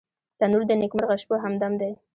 تنور د نیکمرغه شپو همدم دی